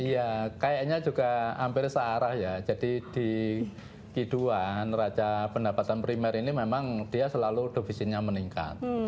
iya kayaknya juga hampir searah ya jadi di kiduan neraca pendapatan primer ini memang dia selalu defisitnya meningkat